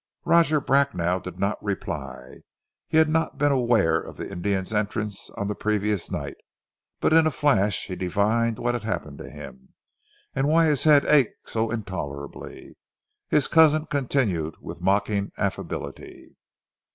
Roger Bracknell did not reply. He had not been aware of the Indian's entrance on the previous night, but in a flash he divined what had happened to him, and why his head ached so intolerably. His cousin continued with mocking affability.